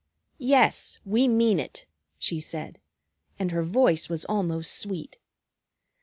"Yes, we mean it," she said, and her voice was almost sweet.